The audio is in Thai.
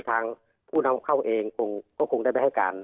ทางผู้นำเข้าเองก็คงได้ไปให้การ